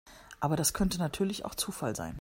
Aber das könnte natürlich auch Zufall sein.